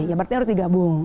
ya berarti harus digabung